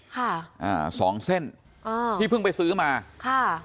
ค่ะอ่าสองเส้นอ่าที่เพิ่งไปซื้อมาค่ะ